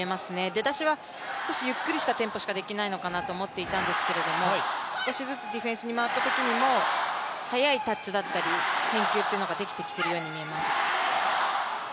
出だしはすこしゆっくりとしたテンポしかできないのかなと思ったんですけども少しずつディフェンスに回ったときにも早いタッチだったり返球というのができてきているように見えます。